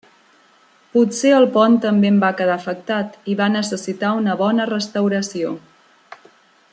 Potser el pont també en va quedar afectat i va necessitar una bona restauració.